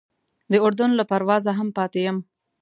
د اردن له پروازه هم پاتې یم.